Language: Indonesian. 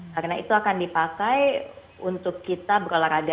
karena itu akan dipakai untuk kita berolahraga